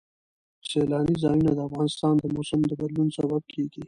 سیلانی ځایونه د افغانستان د موسم د بدلون سبب کېږي.